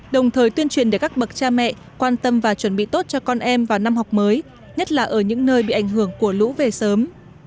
đồng thời tuyên truyền để các bậc cha mẹ quan tâm và chuẩn bị tốt cho con em vào năm học mới nhất là ở những nơi bị ảnh hưởng của lũ về sớm